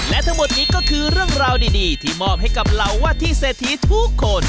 และทั้งหมดนี้ก็คือเรื่องราวดีที่มอบให้กับเหล่าว่าที่เศรษฐีทุกคน